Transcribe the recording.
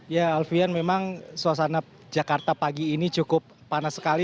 ya alfian memang suasana jakarta pagi ini cukup panas sekali